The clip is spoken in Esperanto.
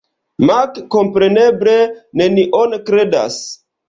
Mark kompreneble nenion kredas.